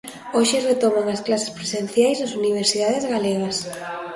Hoxe retoman as clases presenciais nas universidades galegas.